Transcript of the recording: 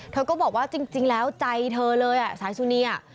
เธอก็บอกว่าจริงแล้วใจเธอเลยอ่ะสายสุนีอ่ะ